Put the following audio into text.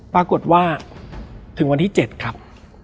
ปรากฏว่าถึงวันที่๗ครับ